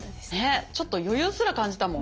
ちょっと余裕すら感じたもん。